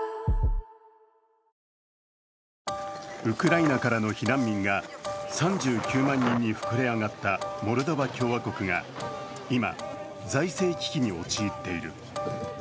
ウクライナからの避難民が３９万人に膨れ上がったモルドバ共和国が今、財政危機に陥っている。